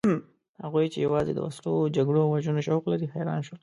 هغوی چې یوازې د وسلو، جګړو او وژنو شوق لري حیران شول.